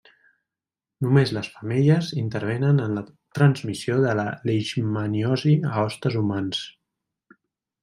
Només les femelles intervenen en la transmissió de la leishmaniosi a hostes humans.